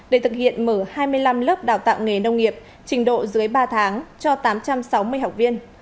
để thực hiện mở hai mươi năm lớp đào tạo nghề nông nghiệp trình độ dưới ba tháng cho tám trăm sáu mươi học viên